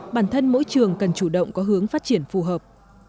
bản thân mỗi trường cần chủ động có hướng phát triển phù hợp